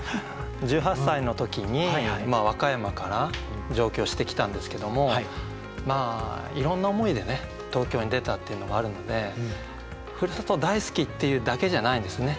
１８歳の時に和歌山から上京してきたんですけどもいろんな思いで東京に出たっていうのがあるのでふるさと大好きっていうだけじゃないんですよね。